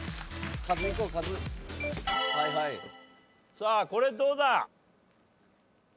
さあこれどうだ？